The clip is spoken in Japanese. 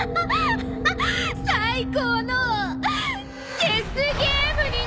最高のデスゲームにね！